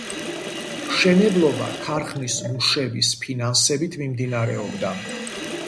მშენებლობა ქარხნის მუშების ფინანსებით მიმდინარეობდა.